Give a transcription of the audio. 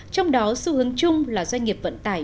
trong đó xu hướng chung là doanh nghiệp vận tải